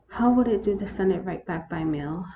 How would it do to send it right back by mail